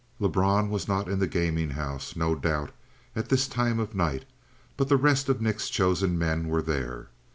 Lebrun was not in the gaming house, no doubt, at this time of night but the rest of Nick's chosen men were there.